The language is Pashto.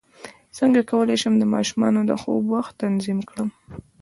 څنګه کولی شم د ماشومانو د خوب وخت تنظیم کړم